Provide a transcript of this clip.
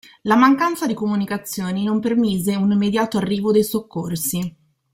La mancanza di comunicazioni non permise un immediato arrivo dei soccorsi.